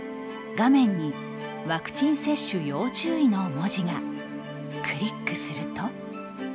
画面にワクチン接種要注意の文字が。クリックすると。